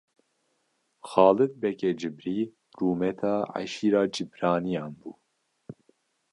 Xalid begê cibrî rûmeta eşîra cibraniyan bû.